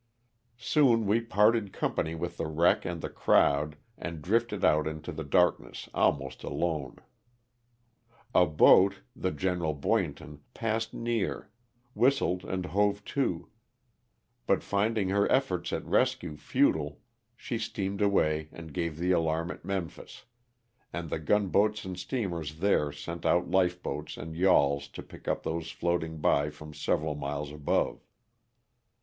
Soon we parted company with the wreck and the crowd and drifted out into the darkness almost alone. A boat — the Gen. Boynton — passed near, whistled and hove to, but finding her efforts at rescue futile, she steamed away and gave the alarm at Memphis, and the gunboats and steamers there sent out lifeboats and yawls to pick up those floating by from seven miles above.